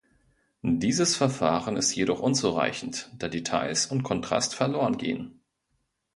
Dieses Verfahren ist jedoch unzureichend, da Details und Kontrast verlorengehen.